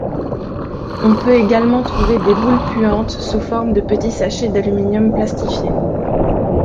On peut également trouver des boules puantes sous forme de petits sachets d'aluminium plastifiés.